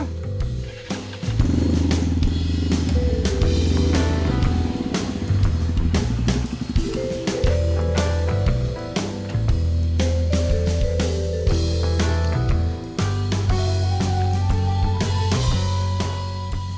uangnya di rumah